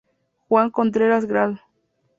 Juan Contreras, Gral.